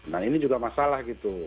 nah ini juga masalah gitu